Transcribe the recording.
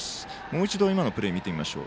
もう一度、今のプレー見てみます。